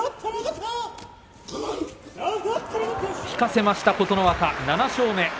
引かせました、琴ノ若７勝目。